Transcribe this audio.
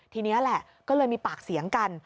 ทีนี้แหละก็เลยมีปากเสียงกัน